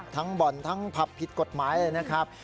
บ่อนทั้งผับผิดกฎหมายเลยนะครับ